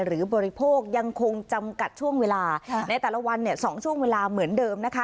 หรือบริโภคยังคงจำกัดช่วงเวลาในแต่ละวัน๒ช่วงเวลาเหมือนเดิม